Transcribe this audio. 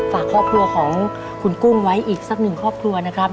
ฝากครอบครัวของคุณกุ้งไว้อีกสักหนึ่งครอบครัวนะครับ